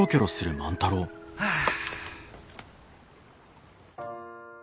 はあ。